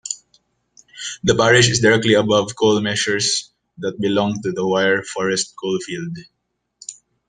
The parish is directly above coal measures that belong to the Wyre Forest Coalfield.